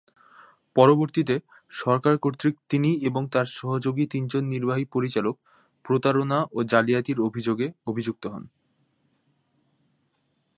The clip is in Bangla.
পরবর্তীতে সরকার কর্তৃক তিনি এবং তাঁর সহযোগী তিনজন নির্বাহী পরিচালক প্রতারণা ও জালিয়াতির অভিযোগে অভিযুক্ত হন।